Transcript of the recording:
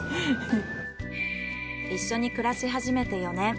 一緒に暮らし始めて４年。